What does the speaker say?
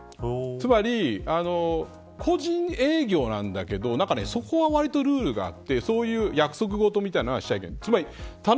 つまり個人営業なんだけどそこはわりとルールがあってそういう約束事みたいなのはしちゃいけない。